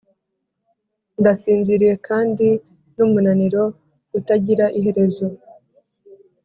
ndasinziriye, kandi numunaniro utagira iherezo